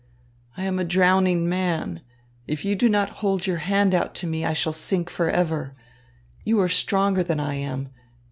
"I am a drowning man. If you do not hold your hand out to me I shall sink forever. You are stronger than I am.